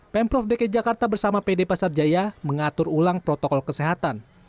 pemprov dki jakarta bersama pd pasar jaya mengatur ulang protokol kesehatan